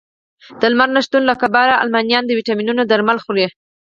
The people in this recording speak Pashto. د لمر نه شتون له کبله المانیان د ویټامینونو درمل خوري